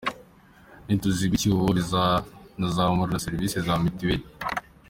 Nituziba icyuho bizanazamura na serivisi za mituweli.